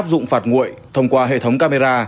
áp dụng phạt nguội thông qua hệ thống camera